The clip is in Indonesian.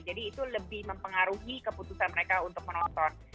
jadi itu lebih mempengaruhi keputusan mereka untuk menonton